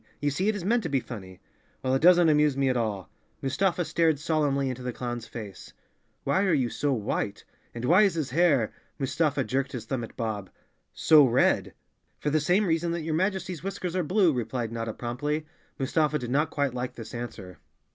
You see it is meant to be funny." "Well, it doesn't amuse me at all." Mustafa stared solemnly into the clown's face. "Why are you so white? 51 The Cowardly Lion of Oz And why is his hair,"—Mustafa jerked his thumb at Bob—"so red?" "For the same reason that your Majesty's whiskers are blue," replied Notta promptly. Mustafa did not quite like this answer.